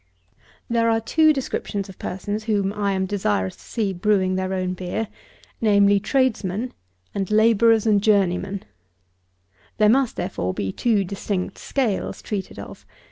41. There are two descriptions of persons whom I am desirous to see brewing their own beer; namely, tradesmen, and labourers and journeymen. There must, therefore, be two distinct scales treated of.